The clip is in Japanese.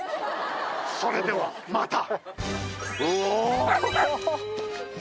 それではまた。